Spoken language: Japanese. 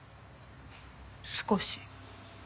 少し。